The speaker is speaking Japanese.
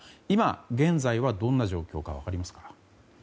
今現在はどんな状況か分かりますか。